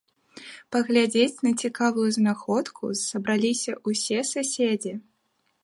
Паглядзець на цікавую знаходку сабраліся ўсе суседзі.